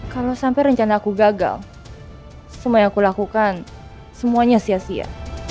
kalau sampai rencana aku gagal semua yang aku lakukan semuanya sia sia